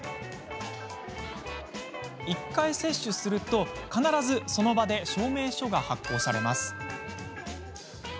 １回接種すると必ずその場で証明書が発行されます。